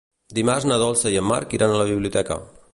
Dimarts na Dolça i en Marc iran a la biblioteca.